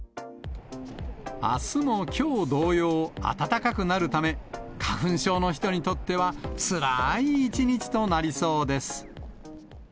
あすもきょう同様、暖かくなるため、花粉症の人にとっては、つらーい一日となりそうです。